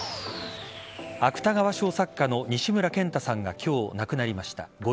芥川賞作家の西村賢太さんが今日、亡くなりました。